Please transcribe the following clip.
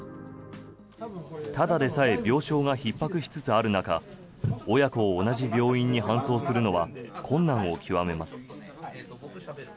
ただでさえ病床がひっ迫しつつある中親子を同じ病院に搬送するのは困難を極めます。